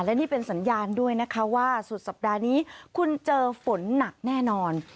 และนี่เป็นสัญญาณด้วยนะคะว่าสุดสัปดาห์นี้คุณเจอฝนหนักแน่นอน